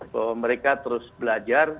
bahwa mereka terus belajar